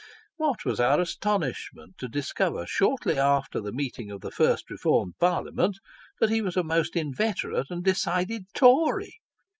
What was our astonishment to discover shortly after the meeting of the first reformed Parliament, that he was a most inveterate and decided Tory